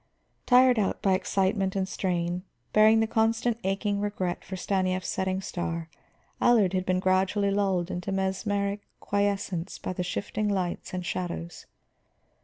Tired out by excitement and strain, bearing the constant aching regret for Stanief's setting star, Allard had been gradually lulled into mesmeric quiescence by the shifting lights and shadows.